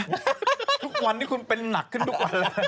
ทุกวันที่คุณเป็นนักขึ้นทุกวัน